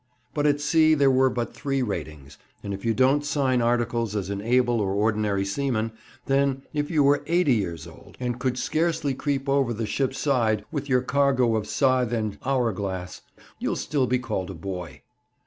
But at sea there were but three ratings, and if you don't sign articles as an able or ordinary seaman, then, if you were eighty years old, and could scarcely creep over the ship's side with your cargo of scythe and hour glass, you'd still be called a boy.